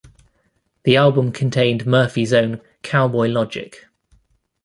The album contained Murphey's own "Cowboy Logic".